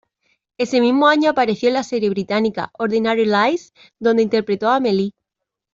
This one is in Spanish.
Ese mismo año apareció en la serie británica "Ordinary Lies", donde interpretó a Amelie.